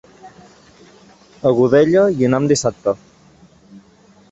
A Godella hi anem dissabte.